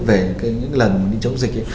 về những lần đi chống dịch